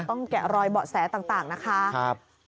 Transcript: แกะรอยเบาะแสต่างนะคะ